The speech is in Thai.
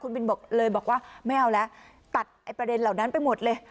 บินบอกเลยบอกว่าไม่เอาแล้วตัดไอ้ประเด็นเหล่านั้นไปหมดเลย